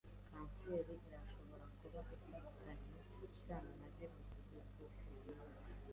Kanseri irashobora kuba ifitanye isano na virusi z'ubwoko runaka.